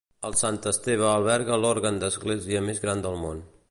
Al Sant Esteve alberga l'òrgan d'església més gran del món.